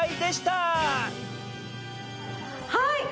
はい。